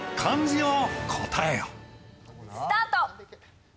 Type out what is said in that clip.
スタート！